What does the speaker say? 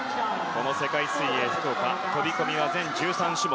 世界水泳福岡飛び込みは全１３種目。